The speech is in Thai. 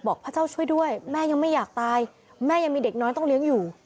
พระเจ้าช่วยด้วยแม่ยังไม่อยากตายแม่ยังมีเด็กน้อยต้องเลี้ยงอยู่